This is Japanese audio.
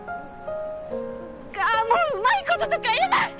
あもううまいこととか言えない！